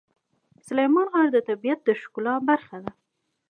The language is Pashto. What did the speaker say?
سلیمان غر د طبیعت د ښکلا برخه ده.